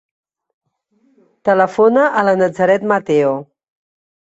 Telefona a la Nazaret Mateo.